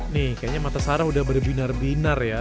nih kayaknya mata sarah udah berbinar binar ya